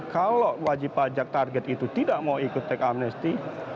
kalau wajib pajak target itu tidak mau ikut teks amnesti